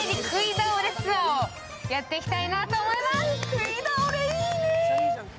食い倒れいいね。